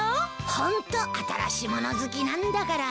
ほんと新しもの好きなんだから。